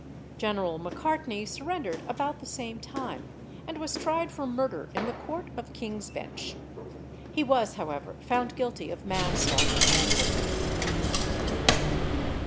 General Macartney surrendered about the same time, and was tried for murder in the Court of King's Bench. He was, however, found guilty of manslaughter only.